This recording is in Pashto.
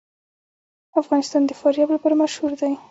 افغانستان د فاریاب لپاره مشهور دی.